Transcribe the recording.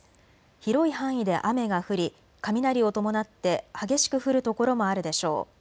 広い範囲で雨が降り雷を伴って激しく降る所もあるでしょう。